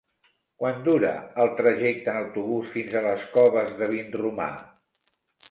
Quant dura el trajecte en autobús fins a les Coves de Vinromà?